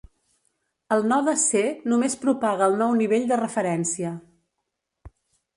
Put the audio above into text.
El node C només propaga el nou nivell de referència.